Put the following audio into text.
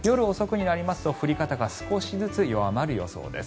夜遅くになりますと降り方が少しずつ弱まる予想です。